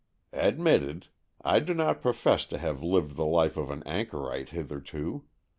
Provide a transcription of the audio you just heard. "Admitted. I do not profess to have lived the life of an anchorite hitherto.